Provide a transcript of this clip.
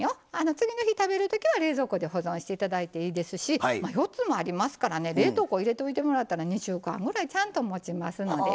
次の日、食べるときは冷蔵庫で保存していただいていいですし４つもありますからね冷凍庫に入れておいてもらったら２週間ぐらいちゃんと、もちますのでね。